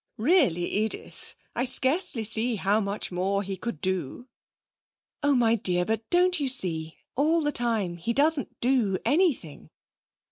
Really, Edith, I scarcely see how much more he could do!' 'Oh, my dear, but don't you see all the time he doesn't do anything?